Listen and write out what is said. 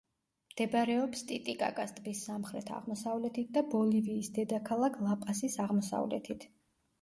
მდებარეობს ტიტიკაკას ტბის სამხრეთ-აღმოსავლეთით და ბოლივიის დედაქალაქ ლა-პასის აღმოსავლეთით.